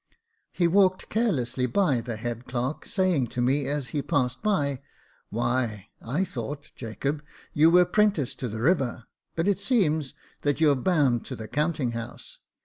He walked carelessly by the head clerk, saying to me as he passed by, "Why, I thought, Jacob, you were 'prentice to the river ; but it seems that you're bound to the counting house.